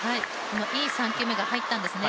いい３球目が入ったんですね。